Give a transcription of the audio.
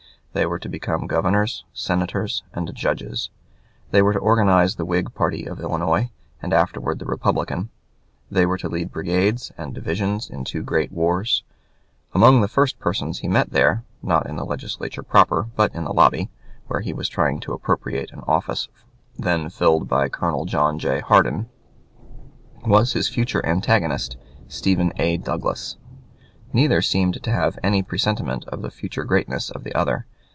They were to become governors, senators, and judges; they were to organize the Whig party of Illinois, and afterwards the Republican; they were to lead brigades and divisions in two great wars. Among the first persons he met there not in the Legislature proper, but in the lobby, where he was trying to appropriate an office then filled by Colonel John J. Hardin was his future antagonist, Stephen A. Douglas. Neither seemed to have any presentiment of the future greatness of the other.